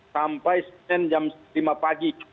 sampai jam lima pagi